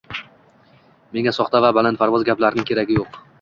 Menga soxta va balandparvoz gaplarning keragi yo‘q